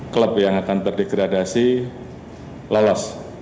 klub yang akan berdegradasi lolos